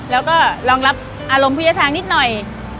แล้วก็รองรับอารมณ์ผู้เยอะทางนิดหน่อย